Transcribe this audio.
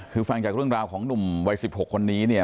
คือฟังจากเรื่องราวของหนุ่มวัย๑๖คนนี้เนี่ย